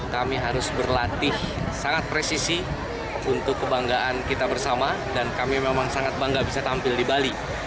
kami harus berlatih sangat presisi untuk kebanggaan kita bersama dan kami memang sangat bangga bisa tampil di bali